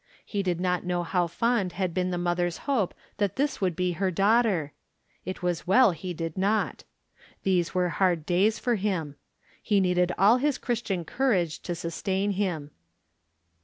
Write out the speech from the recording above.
He did not know how fond had been the mother's hope that this would be her daughter. It was well he did not. These were hard days for him. He needed all his Christian courage to sustain him.